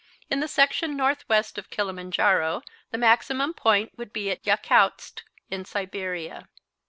In the section northwest of Kilimanjaro the maximum point would be at Yakoutsk, in Siberia.